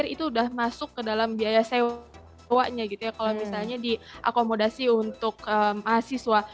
itu sudah masuk ke dalam biaya sewanya gitu ya kalau misalnya diakomodasi untuk mahasiswa